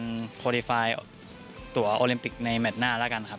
คคลอดิฟัยตัวโอลิมปิกในเมตรหน้าแล้วกันครับ